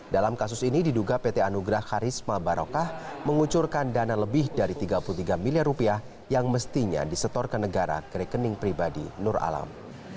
dalam kasus ini diduga pt anugrah karisma barokah mengucurkan dana lebih dari tiga puluh tiga miliar rupiah yang mestinya disetor ke negara ke rekening pribadi nur alam